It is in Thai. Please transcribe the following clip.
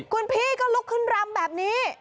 คุณพี่ก็ลุกขึ้นรำแบบนี้